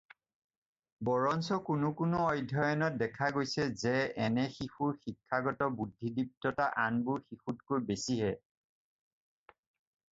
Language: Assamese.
বৰঞ্চ কোনো কোনো অধ্যয়নত দেখা গৈছে যে এনে শিশুৰ শিক্ষাগত বুদ্ধিদীপ্ততা আনবোৰ শিশুতকৈ বেছিহে।